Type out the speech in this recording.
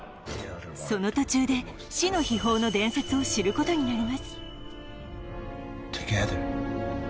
その途中で死の秘宝の伝説を知ることになります